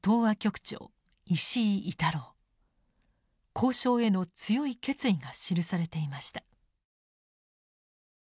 交渉への強い決意が記されていました。